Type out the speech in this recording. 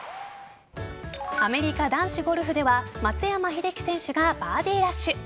アメリカ・男子ゴルフでは松山英樹選手がバーディーラッシュ。